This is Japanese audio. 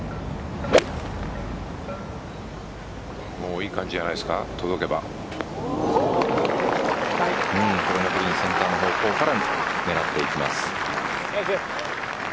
いい感じじゃないですかこれもピンセンターの方から狙っていきます。